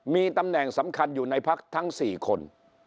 มีตำแหน่งสำคัญอยู่ในพักทั้ง๔คน